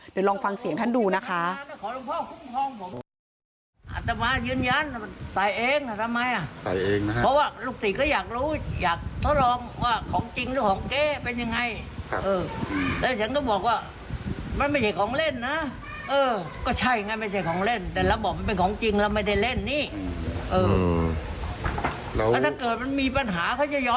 เดี๋ยวลองฟังเสียงท่านดูนะคะ